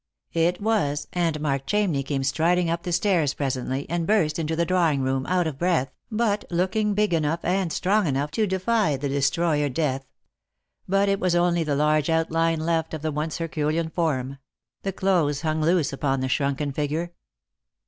It was; and Mark Chamney came striding up the stairs presently, and burst into the drawing room, out of breath, but looking big enough and strong enough to defy the destroyer Death. But it was only the large outline left of the once herculean form ; the clothes hung loose upon the shrunken figure.